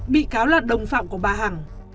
bị cáo là đồng phạm của bà hằng